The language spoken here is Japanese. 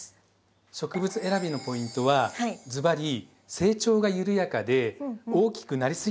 植物選びのポイントはずばり成長が緩やかで大きくなりすぎない植物です。